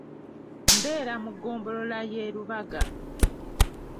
Mbeera mu ggombolola y'e Rubaga.